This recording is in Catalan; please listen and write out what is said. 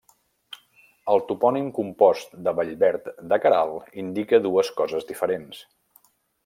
El topònim compost de Vallverd de Queralt indica dues coses diferents.